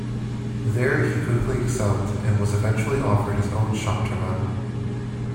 There he quickly excelled, and was eventually offered his own shop to run.